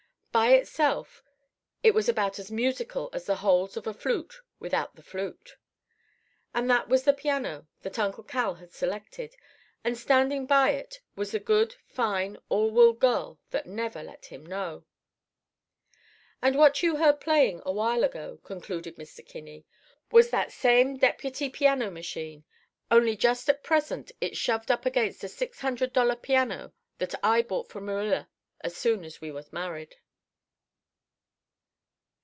By itself it was about as musical as the holes of a flute without the flute. "And that was the piano that Uncle Cal had selected; and standing by it was the good, fine, all wool girl that never let him know it. "And what you heard playing a while ago," concluded Mr. Kinney, "was that same deputy piano machine; only just at present it's shoved up against a six hundred dollar piano that I bought for Marilla as soon as we was married."